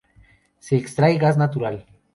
Se extrae gas natural.